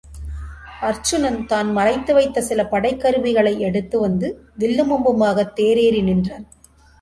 அருச்சுனன் தான் மறைத்து வைத்த சில படைக்கருவிகளை எடுத்து வந்து வில்லும் அம்புமாகத் தேர் ஏறி நின்றான்.